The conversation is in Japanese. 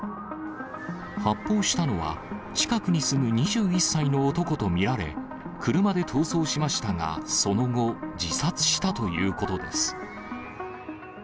発砲したのは、近くに住む２１歳の男と見られ、車で逃走しましたが、その後、自殺したということです。